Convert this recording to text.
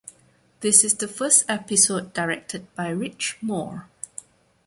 This is the first episode directed by Rich Moore.